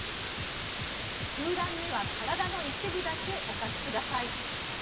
空欄には体の一部だけお書きください。